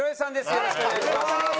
よろしくお願いします。